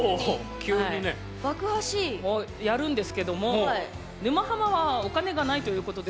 やるんですけども「沼ハマ」はお金がないということで。